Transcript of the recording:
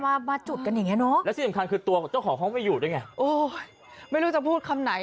มามาจุดกันอย่างเงี้เนอะแล้วที่สำคัญคือตัวเจ้าของห้องไม่อยู่ด้วยไงโอ้ยไม่รู้จะพูดคำไหน